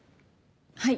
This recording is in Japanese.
はい。